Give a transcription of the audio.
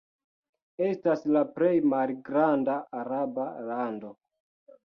Estas la plej malgranda araba lando.